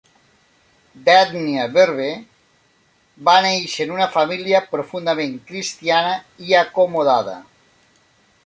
D'ètnia berber, va néixer en una família profundament cristiana i acomodada.